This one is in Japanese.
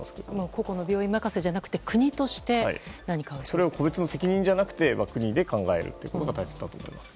個々の病院じゃなくて国として個別の責任じゃなくて国で考えるというのが大切だと思います。